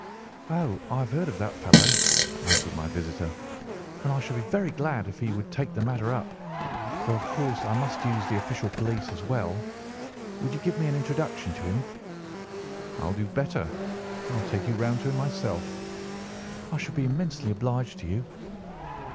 "Oh, I have heard of that fellow," answered my visitor, "and I should be very glad if he would take the matter up, though of course I must use the official police as well. Would you give me an introduction to him?" "I'll do better. I'll take you round to him myself." "I should be immensely obliged to you."